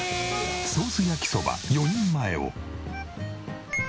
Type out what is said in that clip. ソース焼きそば４人前を。